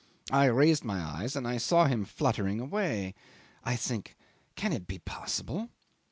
I raised my eyes and I saw him fluttering away. I think Can it be possible?